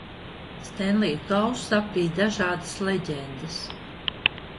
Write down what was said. Stenlija kausu apvij dažādas leģendas.